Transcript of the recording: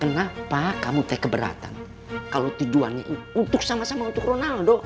kenapa kamu keberatan kalau tujuannya itu untuk sama sama untuk ronaldo